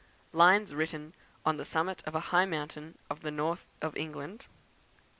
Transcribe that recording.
Lines written on the Summit of a high Mountain of the North of England; 5.